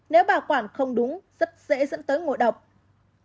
nếu bảo quản không đúng rất dễ dẫn tới ngộ độc